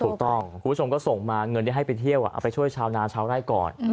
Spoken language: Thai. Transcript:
คุณผู้ชมก็ส่งมาเงินที่ให้ไปเที่ยวเอาไปช่วยชาวนาชาวไร่ก่อน